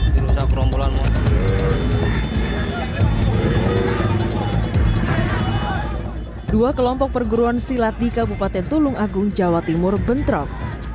dua kelompok perguruan silat di kabupaten tulung agung jawa timur bentrok